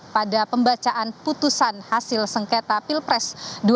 pada pembacaan putusan hasil sengketa pilpres dua ribu dua puluh empat